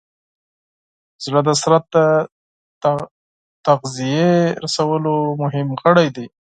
زړه د بدن د تغذیې رسولو مهم غړی دی.